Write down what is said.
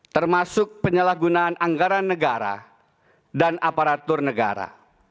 termasuk penyalahgunaan anggaran negara dan aparatur negara